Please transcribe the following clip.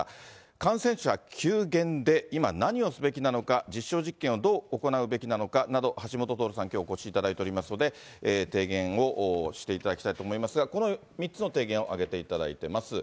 感染者急減で、今、何をすべきなのか、実証実験をどう行うべきなのかなど、橋下徹さんに、きょうお越しいただいていますので、提言をしていただきたいと思いますが、この３つの提言を挙げていただいています。